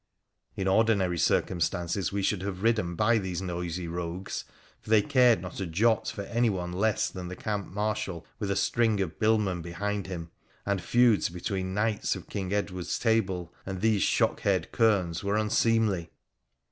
In ordinary circumstances we should have ridden by these noisy rogues, for they cared not a jot for anyone less than the Camp Marshal with a string of billmen behind him, and feuds between knights of King Edward's table and these shock haired kerns were unseemly.